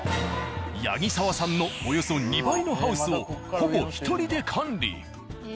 八木澤さんのおよそ２倍のハウスをほぼ１人で管理。